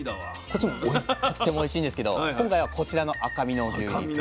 こっちもとってもおいしいんですけど今回はこちらの赤身の牛肉。